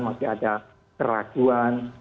masih ada keraguan